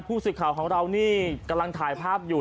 ผู้สื่อข่าวของเรานี่กำลังถ่ายภาพอยู่